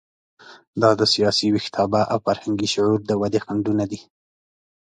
دا د سیاسي ویښتیابه او فرهنګي شعور د ودې خنډونه دي.